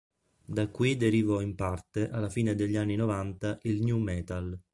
Da qui derivò in parte, alla fine degli anni novanta, il nu metal.